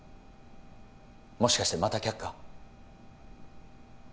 もしかしてまた却下？